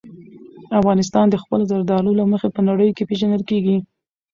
افغانستان د خپلو زردالو له مخې په نړۍ کې پېژندل کېږي.